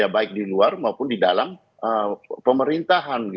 baik di luar maupun di dalam pemerintahan